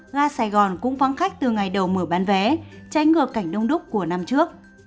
ga sài gòn cũng vắng khách từ ngày đầu mở bán vé tránh ngược cảnh đông đúc của năm trước